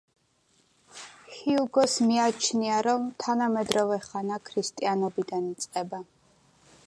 ჰიუგოს მიაჩნია, რომ თანამედროვე ხანა ქრისტიანობიდან იწყება.